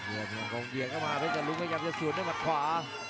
เลี่ยงของเยียงเข้ามาเป็นกับลุงขยับจะสวนด้วยมัดขวา